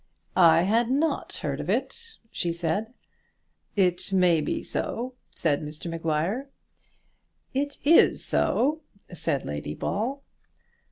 "I had not heard of it," she said. "It may be so," said Mr Maguire. "It is so," said Lady Ball.